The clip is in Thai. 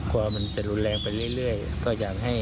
คิดว่าจะมีการสร้างบ้านในที่เดิมอีกไหม